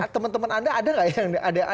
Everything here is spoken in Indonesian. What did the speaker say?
teman teman anda ada nggak yang